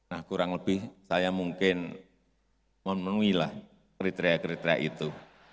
nah kurang lebih saya mungkin memenuhilah kriteria kriteria itu